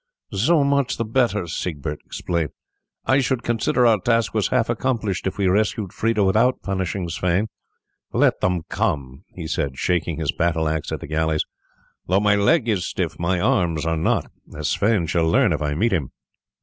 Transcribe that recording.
"So much the better," Siegbert exclaimed. "I should consider our task was half accomplished if we rescued Freda without punishing Sweyn. Let them come," he said, shaking his battle axe at the galleys. "Though my leg is stiff my arms are not, as Sweyn shall learn if I meet him."